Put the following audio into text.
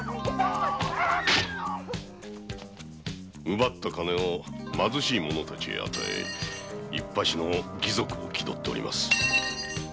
奪った金を貧しい者たちに与えいっぱしの義賊を気取っております。